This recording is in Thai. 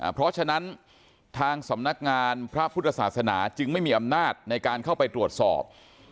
เพราะฉะนั้นทางสำนักงานพระพุทธศาสนาจึงไม่มีอำนาจในการเข้าไปตรวจสอบ